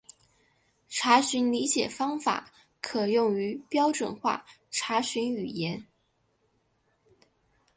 查询理解方法可用于标准化查询语言。